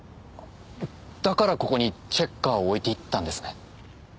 だからここにチェッカーを置いていったんですね。